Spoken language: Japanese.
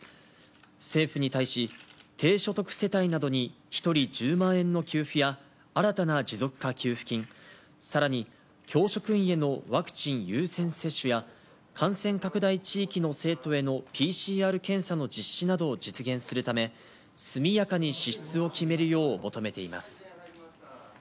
政府に対し、低所得世帯などに１人１０万円の給付や、新たな持続化給付金、さらに教職員へのワクチン優先接種や、感染拡大地域の生徒へのＰＣＲ検査の実施などを実現するため、速やかに支出を決めるよう求めています。